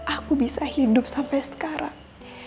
aku bisa hidup sampai sekarang